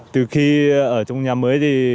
từ khi ở trong nhà mới thì